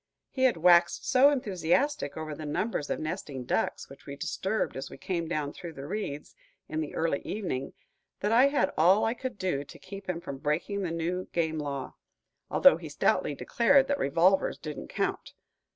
He had waxed so enthusiastic over the numbers of nesting ducks which we disturbed as we came down through the reeds, in the early evening, that I had all I could do to keep him from breaking the new game law, although he stoutly declared that revolvers didn't count.